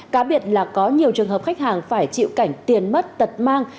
cá biệt là có nhiều trường hợp khách hàng phải chịu cảnh tiền mất tật mang